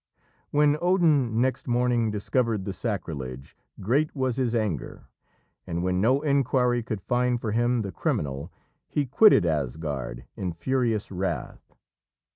When Odin next morning discovered the sacrilege, great was his anger, and when no inquiry could find for him the criminal, he quitted Asgard in furious wrath.